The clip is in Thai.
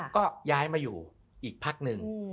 ก็ย้ายมาอยู่อีกพักหนึ่ง